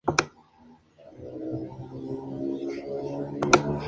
Estuvo casada con Juan Antonio Lavalleja.